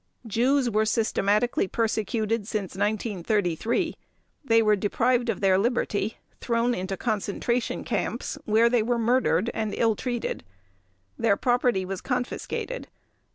Jews were systematically persecuted since 1933; they were deprived of their liberty, thrown into concentration camps where they were murdered and ill treated. Their property was confiscated.